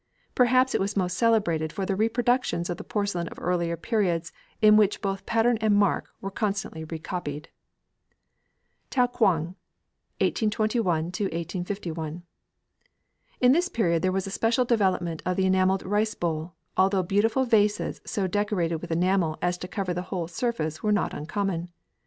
Perhaps it was most celebrated for the reproductions of the porcelain of earlier periods in which both pattern and mark were constantly recopied. TAOU KWANG (1821 1851). In this period there was a special development of the enamelled rice bowl, although beautiful vases so decorated with enamel as to cover the whole surface are not uncommon.